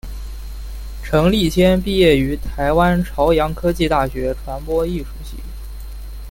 陈立谦毕业于台湾朝阳科技大学传播艺术系。